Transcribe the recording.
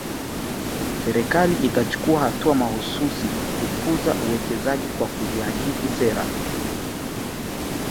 Serikali itachukua hatua mahsusi kukuza uwekezaji kwa kuzihakiki sera